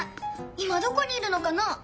いまどこにいるのかな？